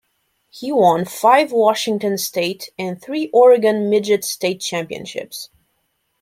He won five Washington State and three Oregon midget state championships.